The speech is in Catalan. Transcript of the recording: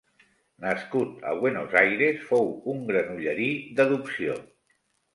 Nascut a Buenos Aires, fou un granollerí d'adopció.